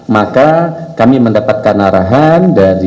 maka kami mendapatkan arahan dari